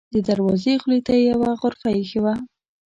د دروازې خولې ته یوه غرفه اېښې وه.